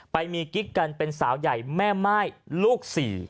ไปมีกิ๊กกันเป็นสาวใหญ่แม่ม่ายลูก๔